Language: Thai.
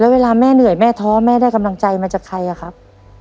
เวลาแม่เหนื่อยแม่ท้อแม่ได้กำลังใจมาจากใครอะครับ